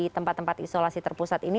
tempat tempat isolasi terpusat ini